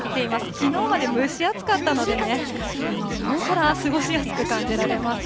きのうまで蒸し暑かったのでね、なおさら過ごしやすく感じられます。